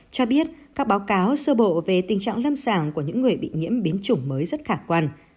cho biết các báo cáo sơ bộ về tình trạng lâm sàng của những người bị nhiễm biến chủng mới rất khả quan